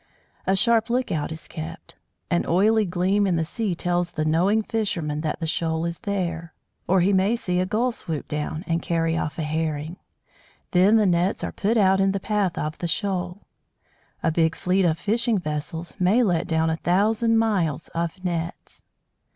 A sharp look out is kept. An oily gleam in the sea tells the knowing fisherman that the shoal is there; or he may see a Gull swoop down and carry off a Herring. Then the nets are put out in the path of the shoal. A big fleet of fishing vessels may let down a thousand miles of nets!